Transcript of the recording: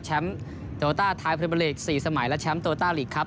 แชมป์โต้ต้าไทยปริมาลีก๔สมัยและแชมป์โต้ต้าลีกครับ